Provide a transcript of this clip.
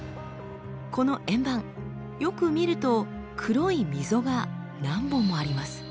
この円盤よく見ると黒い溝が何本もあります。